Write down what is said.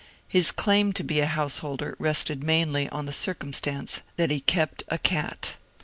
His claim to be a householder rested mainly on the circumstance that he kept a cat.